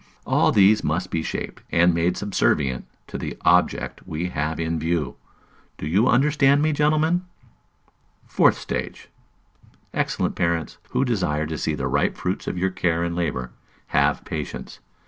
all these must be shaped, and made subservient to the object we have in view. Do you understand me, gentlemen? Fourth Stage. Excellent parents, who desire to see the ripe fruits of your care and labor, have patience!